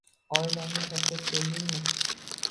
Oilangni tashlab keldingmi